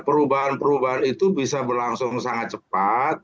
perubahan perubahan itu bisa berlangsung sangat cepat